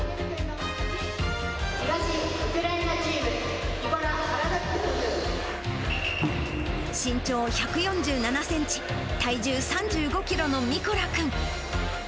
東、ウクライナチーム、身長１４７センチ、体重３５キロのミコラ君。